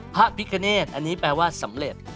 พระพิคเนธอันนี้แปลว่าสำเร็จ